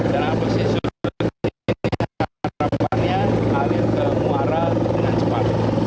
dan posisi surut ini akan terapannya alir ke muara dengan cepat